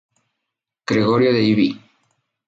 Gregorio de Ibi.